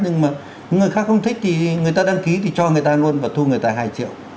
nhưng mà người khác không thích thì người ta đăng ký thì cho người ta luôn và thu người ta hai triệu